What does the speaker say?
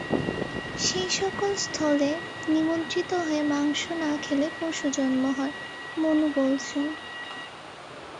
সে-সকল স্থলে নিমন্ত্রিত হয়ে মাংস না খেলে পশুজন্ম হয়, মনু বলছেন।